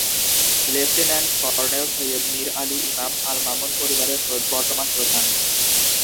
Lieutenant colonel Syed Mir Ali Imam Al Mamun পরিবারের বর্তমান প্রধান।